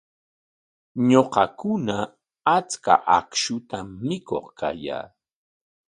Ñuqakuna achka akshutam mikuq kayaa.